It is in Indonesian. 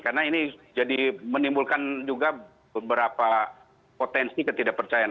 karena ini jadi menimbulkan juga beberapa potensi ketidakpercayaan